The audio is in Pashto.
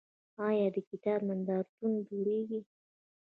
آیا د کتاب نندارتونونه جوړیږي؟